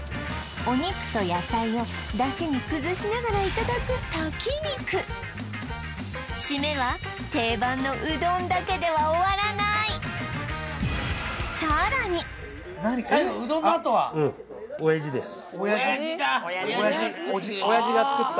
お肉と野菜を出汁に崩しながらいただく炊き肉シメは定番のうどんだけでは終わらないおやじだ